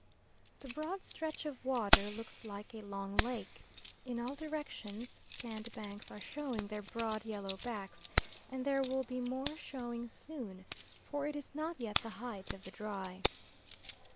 The broad stretch of water looks like a long lake. In all directions sandbanks are showing their broad yellow backs, and there will be more showing soon, for it is not yet the height of the dry.